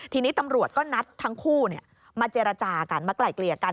ทีนี้ตำรวจก็นัดทั้งคู่มาเจรจากันมาไกล่เกลี่ยกัน